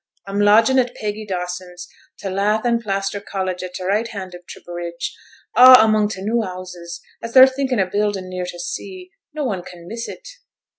A'm lodgin' at Peggy Dawson's, t' lath and plaster cottage at t' right hand o' t' bridge, a' among t' new houses, as they're thinkin' o' buildin' near t' sea: no one can miss it.'